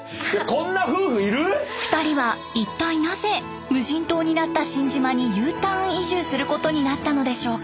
２人は一体なぜ無人島になった新島にＵターン移住することになったのでしょうか？